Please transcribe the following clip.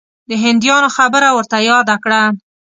د هندیانو خبره ورته یاده کړه.